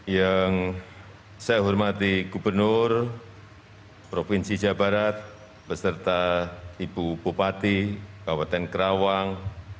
yang saya hormati gubernur provinsi jawa barat beserta ibu bupati kabupaten kerawang